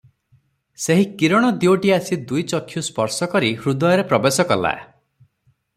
ସେହି କିରଣ ଦିଓଟି ଆସି ଦୁଇ ଚକ୍ଷୁ ସ୍ପର୍ଶ କରି ହୃଦୟରେ ପ୍ରବେଶ କଲା ।